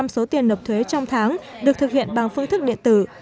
chín mươi năm số tiền nộp thuế trong tháng được thực hiện bằng phương thức điện tử